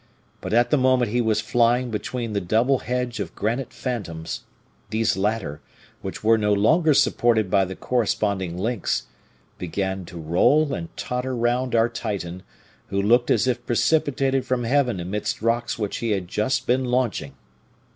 But at the moment he was flying between the double hedge of granite phantoms, these latter, which were no longer supported by the corresponding links, began to roll and totter round our Titan, who looked as if precipitated from heaven amidst rocks which he had just been launching.